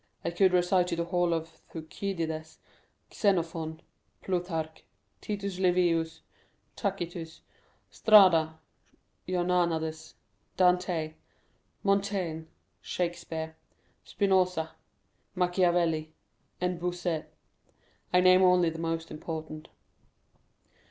I could recite you the whole of Thucydides, Xenophon, Plutarch, Titus Livius, Tacitus, Strada, Jornandes, Dante, Montaigne, Shakespeare, Spinoza, Machiavelli, and Bossuet. I name only the most important."